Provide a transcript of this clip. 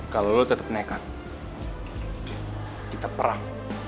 kalau lu tetep nekat kita perang